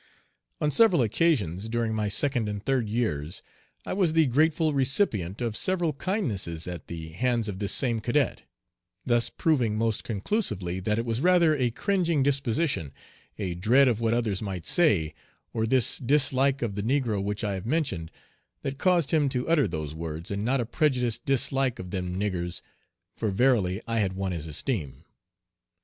On several occasions during my second and third years I was the grateful recipient of several kindnesses at the hands of this same cadet, thus proving most conclusively that it was rather a cringing disposition, a dread of what others might say, or this dislike of the negro which I have mentioned, that caused him to utter those words, and not a prejudiced dislike of "them niggers," for verily I had won his esteem.